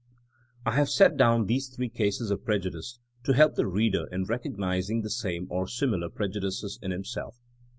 I have set down these three cases of preju dice to help the reader in recognizing the same or similar prejudices in himself.